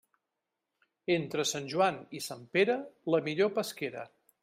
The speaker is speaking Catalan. Entre Sant Joan i Sant Pere, la millor pesquera.